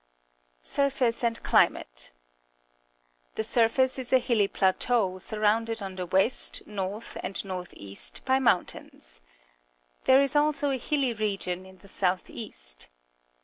Surface and Climate. — The surface is a liilly plateau, surrounded on the west, north, and north east by mountains. There is also a hilly region in the south east.